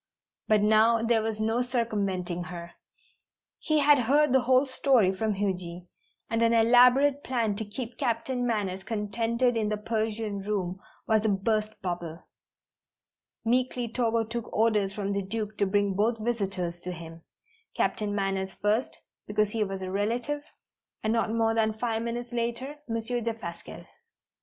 But now there was no circumventing her. He had heard the whole story from Huji, and an elaborate plan to keep Captain Manners contented in the Persian room was a burst bubble. Meekly Togo took orders from the Duke to bring both visitors to him, Captain Manners first, because he was a relative, and not more than five minutes later, Monsieur Defasquelle.